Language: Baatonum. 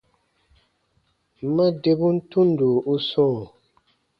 Ma debun tundo u sɔ̃ɔ.